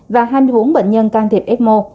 và hai mươi bốn bệnh nhân can thiệp f một